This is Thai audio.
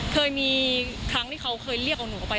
เคยมีครั้งที่เขาเคยเรียกเอาหนูออกไป